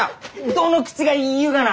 どの口が言いゆうがな！